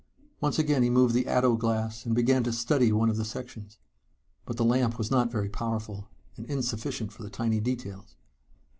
Once again he moved the ato glass and began to study one of the sections. But the lamp was not very powerful, and insufficient for the tiny details.